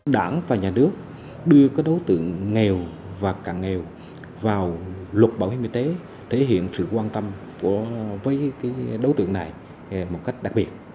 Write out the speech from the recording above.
đảng và nhà nước đưa đối tượng nghèo và cận nghèo vào luật bảo hiểm y tế thể hiện sự quan tâm với đối tượng này một cách đặc biệt